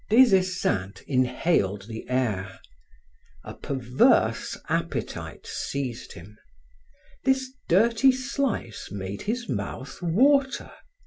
Des Esseintes inhaled the air. A perverse appetite seized him. This dirty slice made his mouth water.